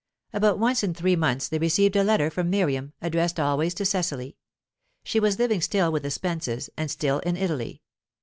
About once in three months they received a letter from Miriam, addressed always to Cecily. She was living still with the Spences, and still in Italy.